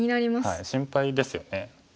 はい心配ですよね。